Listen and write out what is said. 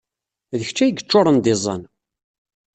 D kečč ay yeččuṛen d iẓẓan.